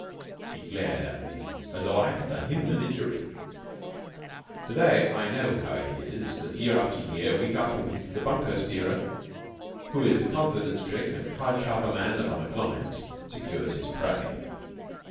He glared at me as though I had done him an injury. To day I know how it is that year after year, week after week, the bunco steerer, who is the confidence trick and the card sharper man of other climes, secures his prey.